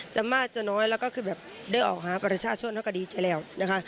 จะมากจะน้อยแล้วก็คือแบบได้ออกหาปริศาสตร์ช่วงเท่ากันดีกว่าแล้วนะคะ